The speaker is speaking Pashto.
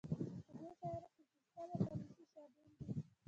په دې شیانو کې سیستم او پالیسي شامل دي.